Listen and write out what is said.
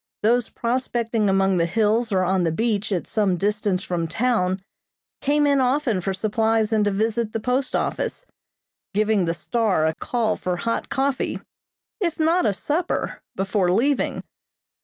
Those prospecting among the hills or on the beach at some distance from town came in often for supplies and to visit the post office, giving the "Star" a call for hot coffee, if not a supper, before leaving.